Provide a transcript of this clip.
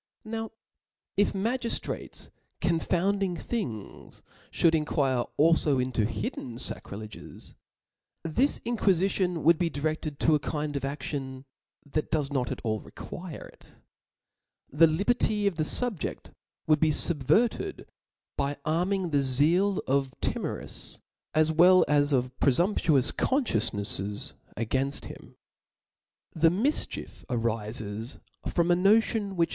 Now if magiftrates confounding things, fhould inquire alfo intp hiddeo facrileges, this in quiiicion would be direAedto a kind of a£tion that docs not at all require it ; the liberty of the fub je6t would be fubvcrted by arming the zeal of timorous, as well as of prcfutnptuous confciences againft him. The mifchief arifes from a notion which